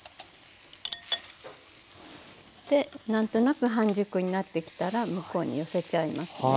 で何となく半熟になってきたら向こうに寄せちゃいますね。